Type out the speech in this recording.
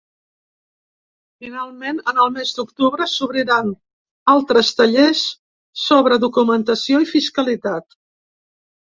Finalment, en el mes d’octubre s’oferiran altres tallers sobre documentació i fiscalitat.